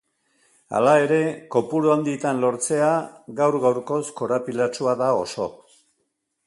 Hala ere, kopuru handitan lortzea gaur-gaurkoz korapilatsua da oso.